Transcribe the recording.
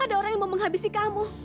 ada orang yang mau menghabisi kamu